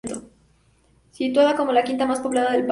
Situada como la quinta más poblada del país.